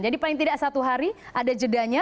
jadi paling tidak satu hari ada jedanya